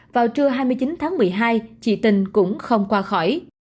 vào trưa hai mươi chín tháng một mươi hai chị tình cũng không qua khỏi